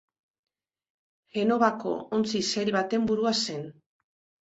Genovako ontzi-sail baten burua zen.